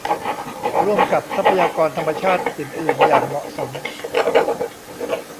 ร่วมกับทรัพยากรธรรมชาติอื่นอื่นอย่างเหมาะสม